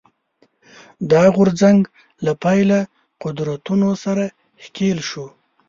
دا غورځنګ له پیله قدرتونو سره ښکېل شو